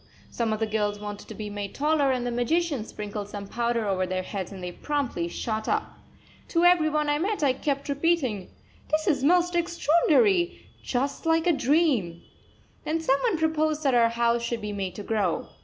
Some of the girls wanted to be made taller, and the magician sprinkled some powder over their heads and they promptly shot up. To every one I met I kept repeating: "This is most extraordinary, just like a dream!" Then some one proposed that our house should be made to grow.